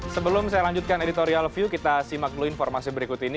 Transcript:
sebelum saya lanjutkan editorial view kita simak dulu informasi berikut ini